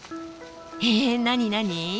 え何何？